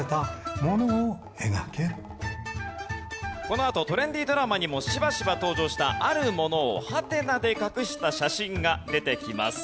このあとトレンディードラマにもしばしば登場したあるものをハテナで隠した写真が出てきます。